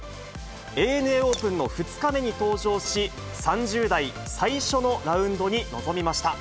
ＡＮＡオープンの２日目に登場し、３０代最初のラウンドに臨みました。